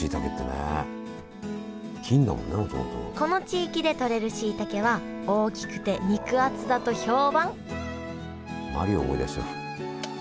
この地域でとれるしいたけは大きくて肉厚だと評判マリオ思い出しちゃう。